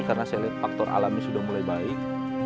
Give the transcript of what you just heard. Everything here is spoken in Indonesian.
karena saya lihat faktor alami sudah mulai baik